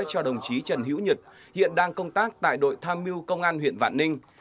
cho đồng chí trần hữu nhật hiện đang công tác tại đội tham miu công an huyện vạn ninh